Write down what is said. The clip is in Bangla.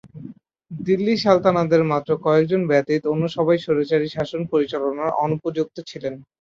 দিল্লি সালতানাতের মাত্র কয়েকজন ব্যতীত অন্য সবাই স্বৈরাচারী শাসন পরিচালনার অনুপযুক্ত ছিলেন।